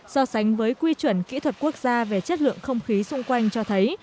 so sánh với quy chuẩn kỹ thuật quốc gia về chất lượng không khí xung quanh cho thấy